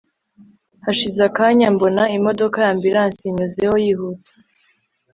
hashize akanya mbona imodoka ya ambulance inyuzeho yihuta cyane